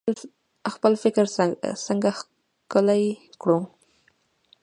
خپل فکر څنګه ښکلی کړو؟